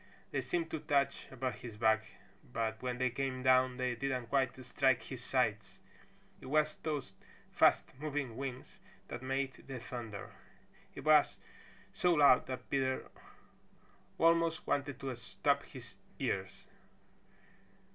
They seemed to touch above his back but when they came down they didn't quite strike his sides. It was those fast moving wings that made the thunder. It was so loud that Peter almost wanted to stop his ears.